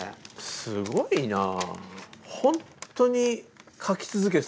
すごいなぁ。